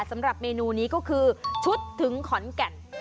สำหรับเมนูนี้ก็คือชุดถึงขอนแก่น